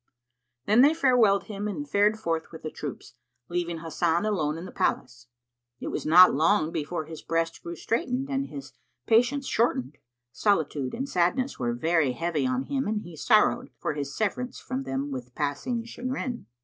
Then they farewelled him and fared forth with the troops, leaving Hasan alone in the palace. It was not long before his breast grew straitened and his patience shortened: solitude and sadness were heavy on him and he sorrowed for his severance from them with passing chagrin.